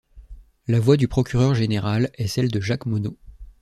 La voix du procureur général est celle de Jacques Monod.